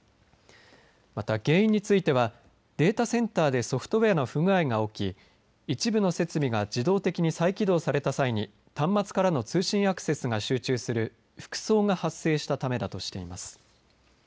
また、原因についてはデータセンターでソフトウエアの不具合が起き一部の設備が自動的に再起動された際に端末からの通信アクセスが集中するふくそうが発生したためだとしています。